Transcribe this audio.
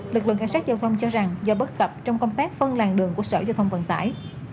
lực lượng cảnh sát giao thông cho rằng do bất cập trong công tác phân làng đường của sở giao thông vận tải